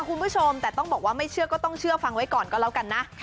คุณผู้ชมแต่ต้องบอกว่าไม่เชื่อก็ต้องเชื่อฟังไว้ก่อนก็แล้วกันนะ